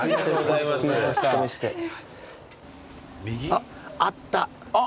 あっあった。